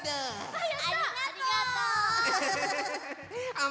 はい！